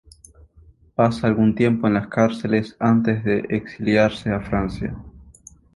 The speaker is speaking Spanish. Pasa algún tiempo en las cárceles franquistas antes de exiliarse a Francia.